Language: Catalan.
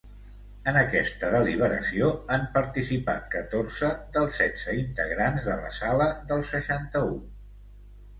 En aquesta deliberació, han participat catorze dels setze integrants de la sala del seixanta-u.